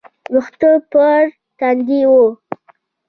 ويښته پر تندي وه.